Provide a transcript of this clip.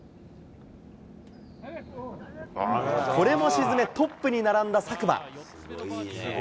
これも沈め、トップに並んだ佐久間。